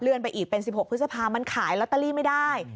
เลื่อนไปอีกเป็นสิบหกพฤษภามันขายลอตเตอรี่ไม่ได้